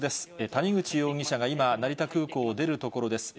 谷口容疑者が今、成田空港を出るところです。